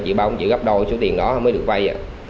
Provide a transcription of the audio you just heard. chị báo chị gấp đôi số tiền đó mới được vay